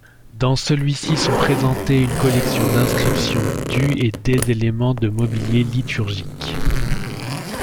Dans celui-ci sont présentés une collection d'inscriptions du et des éléments de mobilier liturgique.